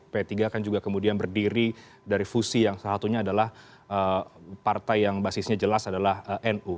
p tiga kan juga kemudian berdiri dari fusi yang salah satunya adalah partai yang basisnya jelas adalah nu